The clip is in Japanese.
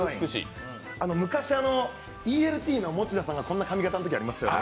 昔、ＥＬＴの持田さんがこんな髪形のときがありましたね。